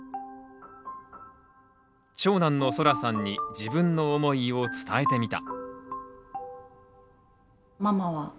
長男のソラさんに自分の思いを伝えてみた。